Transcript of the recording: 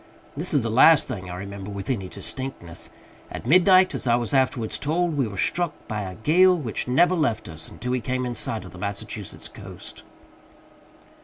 This is the last thing I remember with any distinctness. At midnight, as I was afterwards told, we were struck by a gale which never left us until we came in sight of the Massachusetts coast.